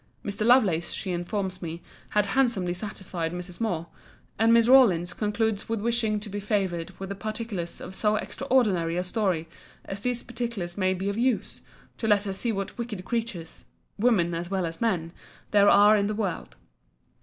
Mr. Lovelace, she informs me, had handsomely satisfied Mrs. Moore. And Miss Rawlins concludes with wishing to be favoured with the particulars of so extraordinary a story, as these particulars may be of use, to let her see what wicked creatures (women as well as men) there are in the world.